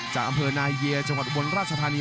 จากอำเภอนายเยียจังหวัดอุบลราชธานี